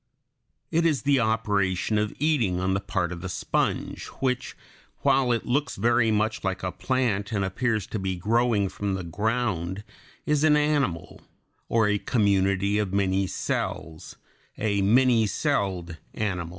It is the operation of eating on the part of the sponge, which, while it looks very much like a plant and appears to be growing from the ground, is an animal, or a community of many cells a many celled animal.